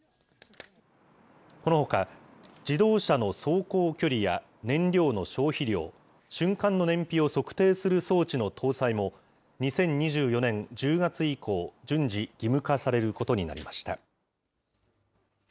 このほか、自動車の走行距離や燃料の消費量、瞬間の燃費を測定する装置の搭載も、２０２４年１０月以降、順次義務化されることになりました。